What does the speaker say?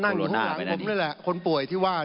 ห้อถ้าเกิดเรื่องนั้นป่อยแต่บ้น